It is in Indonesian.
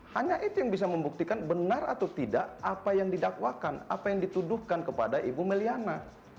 hanya itu yang bisa membuktikan benar atau tidak apa yang didakwakan apa yang dituduhkan kepada ibu meliana